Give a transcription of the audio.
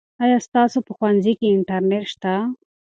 آیا ستاسو په ښوونځي کې انټرنیټ شته؟